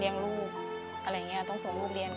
เรียนลูกอะไรอย่างเงี้ยต้องส่งลูกเรียน